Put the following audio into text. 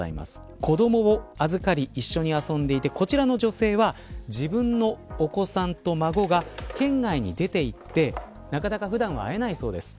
子どもを預かり一緒に遊んでいてこちらの女性は自分のお子さんと孫が県内に出ていってなかなか普段は会えないそうです。